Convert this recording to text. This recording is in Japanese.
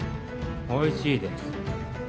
おいしいです。